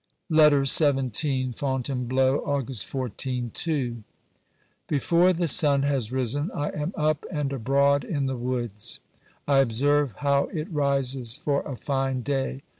LETTER XVII FONTAINEBLEAU, August 14 (II). Before the sun has risen I am up and abroad in the woods. I observe how it rises for a fine day.